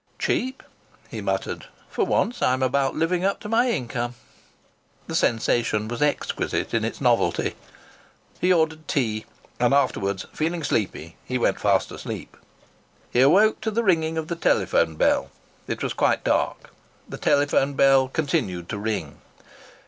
"Cheap!" he muttered. "For once I'm about living up to my income!" The sensation was exquisite in its novelty. He ordered tea, and afterwards, feeling sleepy, he went fast asleep. He awoke to the ringing of the telephone bell. It was quite dark. The telephone bell continued to ring.